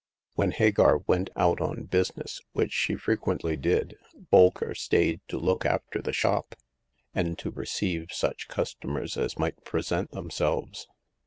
When Hagar went out on business — ^which she frequently did — Bolker stayed to look after the shop, and to receive such customers as might present themselves.